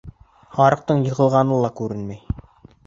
Һарыҡтың йығылғаны ла күренмәй